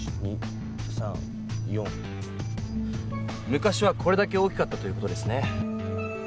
昔はこれだけ大きかったという事ですね。